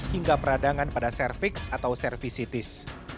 hingga peradangan pada cervix atau servicetis